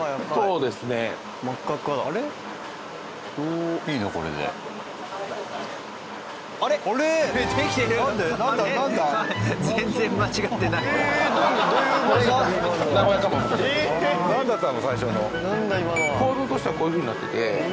構造としてはこういうふうになってて。